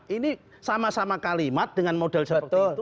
ini sama sama kalimat dengan model seperti itu